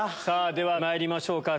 ではまいりましょうか。